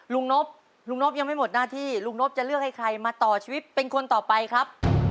นบลุงนบยังไม่หมดหน้าที่ลุงนบจะเลือกให้ใครมาต่อชีวิตเป็นคนต่อไปครับ